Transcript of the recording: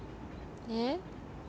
えっ？